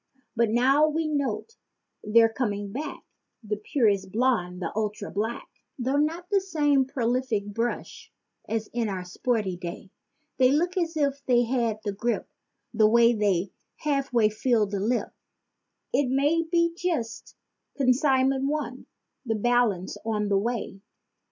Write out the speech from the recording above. But now we note they're coming back—the purest blonde and ultra black— Though not the same prolific brush as in our sporty day. They look as if they had the grippe, the way they half way fill the lip— It may be just "consignment one," the balance on the way.